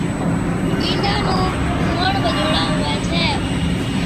بِينڏا نُون موڙ ٻجھوڙا ھُوي ڇَي